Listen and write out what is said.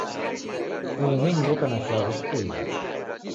Uhu m'ndu oka na chaghu chipoie.